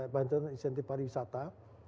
bantuan insentif pariwisata